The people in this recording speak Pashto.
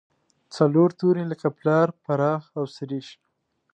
څلور توري لکه پلار، پراخ او سرېښ.